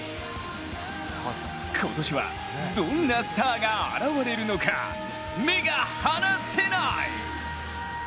今年はどんなスターが現れるのか、目が離せない！